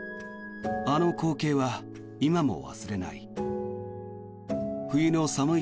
あの光景は今も忘れない。